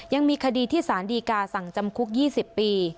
ยังมีคดีที่สารดีกาสั่งจำคุก๒๐ปี